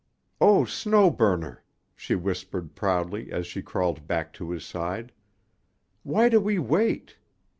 "Oh, Snow Burner!" she whispered proudly as she crawled back to his side. "Why do we wait?